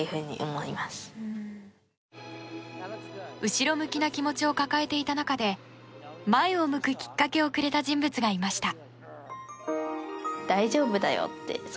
後ろ向きな気持ちを抱えていた中で前を向くきっかけをくれた人物がいました。